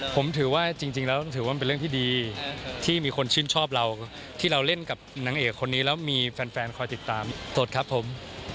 ผมถือว่าจริงแล้วถือว่าเป็นเรื่องที่ดีที่มีคนชื่นชอบเราที่เราเล่นกับนางเอกคนนี้แล้วมีแฟนคอยติดตามสดครับผม